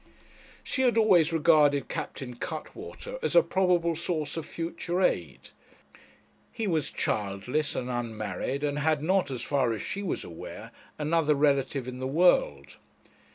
She had always regarded Captain Cuttwater as a probable source of future aid. He was childless and unmarried, and had not, as far as she was aware, another relative in the world.